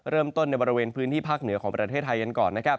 เริ่มต้นในบริเวณพื้นที่ภาคเหนือของประเทศไทยกันก่อน